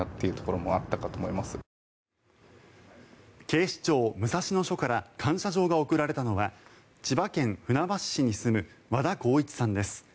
警視庁武蔵野署から感謝状が贈られたのは千葉県船橋市に住む和田浩一さんです。